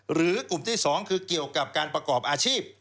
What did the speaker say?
หรือกลุ่มที่๒คือเกี่ยวกับการประกอบอาชีพ